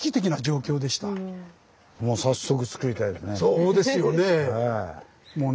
そうですよね。